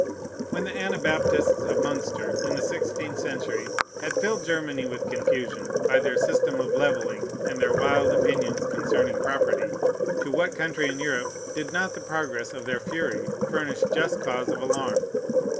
When the Anabaptists of Munster, in the sixteenth century, had filled Germany with confusion, by their system of levelling, and their wild opinions concerning property, to what country in Europe did not the progress of their fury furnish just cause of alarm?